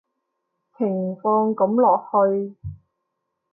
情況噉落去